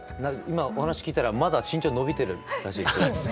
今お話聞いたらまだ身長伸びてるらしいですよ。